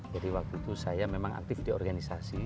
jadi waktu itu saya memang aktif di organisasi